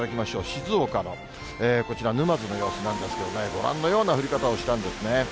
静岡のこちら、沼津の様子なんですけどね、ご覧のような降り方をしたんですね。